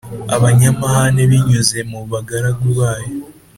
abanyamahane binyuze mu bagaragu bayo